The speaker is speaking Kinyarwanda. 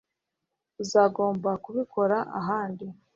Uzagomba kubikora ahandi